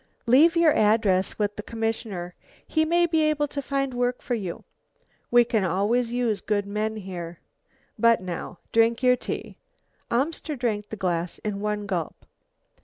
"Leave your address with the commissioner. He may be able to find work for you; we can always use good men here. But now drink your tea." Amster drank the glass in one gulp.